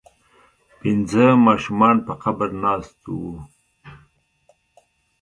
پنځه ماشومان په قبر ناست وو.